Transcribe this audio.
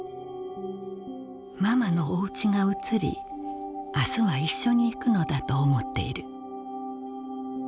「ママのお家が移り明日は一緒に行くのだと思っている」。